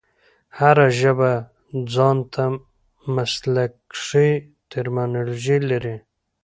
هره ژبه ځان ته مسلکښي ټرمینالوژي لري.